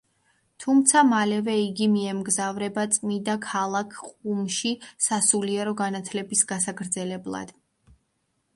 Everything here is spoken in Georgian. თუმცა მალევე იგი მიემგზავრება წმიდა ქალაქ ყუმში სასულიერო განათლების გასაგრძელებლად.